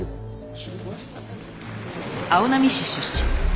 青波市出身。